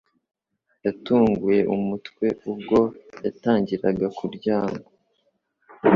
Yatunguye umutwe ubwo yatangiraga kuryama